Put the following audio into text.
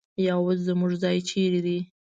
یا اوس زموږ ځای چېرې دی؟